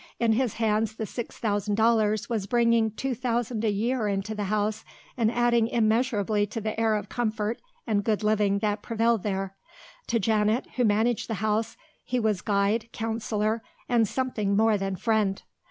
In his hands the six thousand dollars was bringing two thousand a year into the house and adding immeasurably to the air of comfort and good living that prevailed there. To Janet, who managed the house, he was guide, counsellor, and something more than friend.